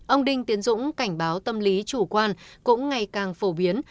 ông đinh tiến dũng cảnh báo tâm lý chủ quan cũng ngày càng phổ biến